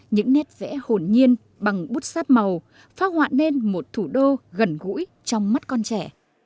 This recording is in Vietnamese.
những nét vẽ hồn nhiên bằng bút sáp màu phá hoạ nên một thủ đô gần gũi trong mắt con trẻ